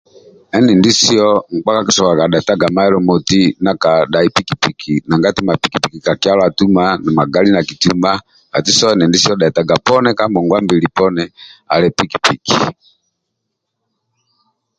Endindi siyo mkpa kakitoka dhetaga mailo moti ndia kadhai pikipiki nanga ati ma pikipiki ka kyalo atuma na magali na kituma ati endindi diyo dhetaga poni kangongwabili poni ali pikipiki